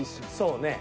そうね。